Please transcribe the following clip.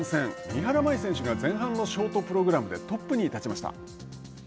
三原舞依選手が前半のショートプログラムでトップに立ちました。